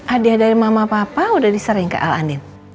adik dari mama papa udah disering ke al andin